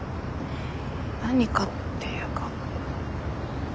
何かっていうか。